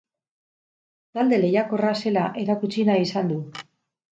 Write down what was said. Talde lehiakorra zela erakutsi nahi izan du.